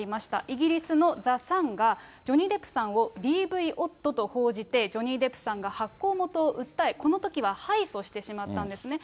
イギリスのザ・サンが、ジョニー・デップさんをＤＶ夫と報じてジョニー・デップさんが発行元を訴え、このときは敗訴してしまったんですね。